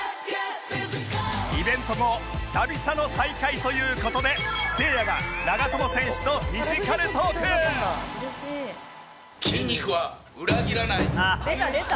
イベント後久々の再会という事でせいやが長友選手と「出た出た」